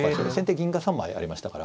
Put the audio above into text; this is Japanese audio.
銀が３枚ありましたから。